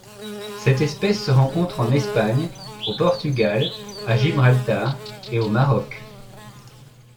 Cette espèce se rencontre en Espagne, au Portugal, à Gibraltar et au Maroc.